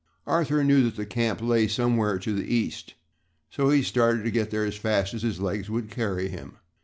Arthur knew that the camp lay somewhere to the East so he started to get there as fast as his legs would carry him.